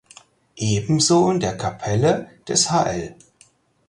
Ebenso in der Kapelle des hl.